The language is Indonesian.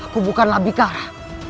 aku bukanlah bikara